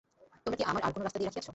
তোমরা কি আমার আর-কোনো রাস্তা রাখিয়াছ?